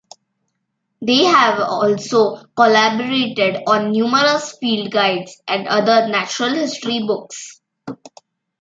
They have also collaborated on numerous field guides and other natural history books.